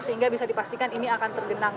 sehingga bisa dipastikan ini akan tergenang